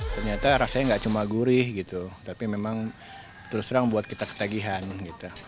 ternyata rasanya gak cuma gurih gitu tapi memang terus terang buat kita ketagihan gitu